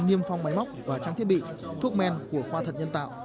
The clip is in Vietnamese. niêm phong máy móc và trang thiết bị thuốc men của khoa thật nhân tạo